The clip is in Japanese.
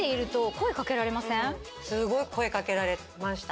すごい声掛けられました。